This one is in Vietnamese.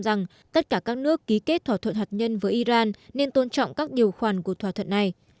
rằng tất cả các nước ký kết thỏa thuận hạt nhân với iran nên tôn trọng các điều khoản của thỏa thuận này